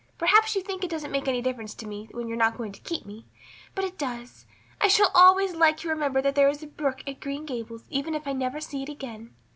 Perhaps you think it doesn't make any difference to me when you're not going to keep me, but it does. I shall always like to remember that there is a brook at Green Gables even if I never see it again.